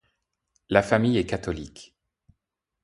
La famille est catholique.